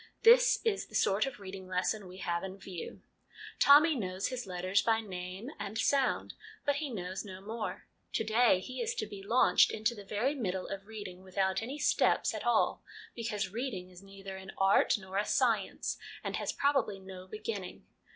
This is the sort of reading lesson we have in view. Tommy knows his letters by name and sound, but he knows no more. To day he is to be launched into the very middle of reading, without any ' steps ' at all, because reading is neither an art nor a science, and has, probably, no beginning.